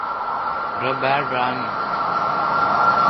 رو باڑ ران این۔